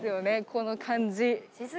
この感じ。